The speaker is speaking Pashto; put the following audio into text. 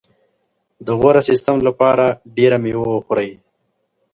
د غوره سیستم لپاره ډېره مېوه وخورئ.